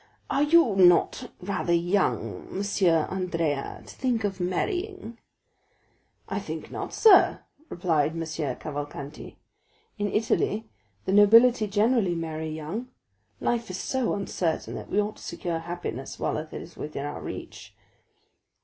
"Are you not rather young, M. Andrea, to think of marrying?" "I think not, sir," replied M. Cavalcanti; "in Italy the nobility generally marry young. Life is so uncertain, that we ought to secure happiness while it is within our reach."